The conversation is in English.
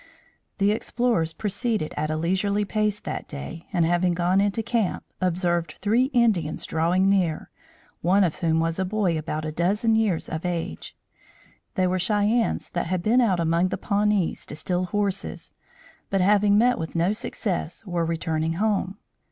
The explorers proceeded at a leisurely pace that day and having gone into camp, observed three Indians drawing near, one of whom was a boy about a dozen years of age. They were Cheyennes that had been out among the Pawnees to steal horses, but having met with no success, were returning home.